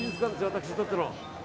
私にとっての。